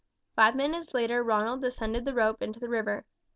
Five minutes later Ronald descended the rope into the river.